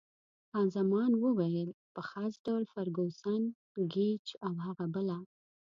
خان زمان وویل: په خاص ډول فرګوسن، ګېج او هغه بله.